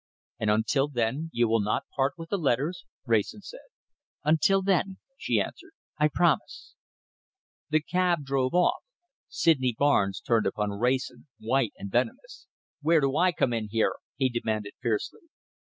"And until then you will not part with the letters?" Wrayson said. "Until then," she answered, "I promise." The cab drove off. Sydney Barnes turned upon Wrayson, white and venomous. "Where do I come in here?" he demanded fiercely.